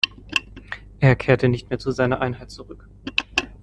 Er kehrte nicht mehr zu seiner Einheit zurück.